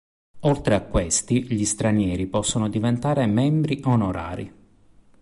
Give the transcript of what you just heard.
Oltre a questi, gli stranieri possono diventare "membri onorari".